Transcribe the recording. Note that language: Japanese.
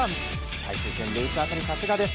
最終戦で打つ辺りさすがです。